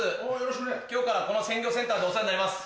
今日からこの鮮魚センターでお世話になります。